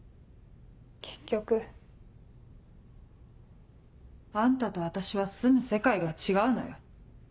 結局あんたと私は住む世界が違うのよ。